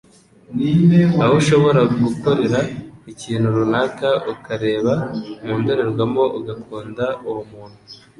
aho ushobora gukorera ikintu runaka ukareba mu ndorerwamo ugakunda uwo muntu.